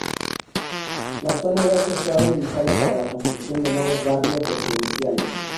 La zona ya que se ha utilizado para la construcción de nuevos barrios residenciales.